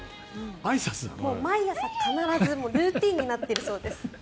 毎朝、必ずルーチンになっているそうです。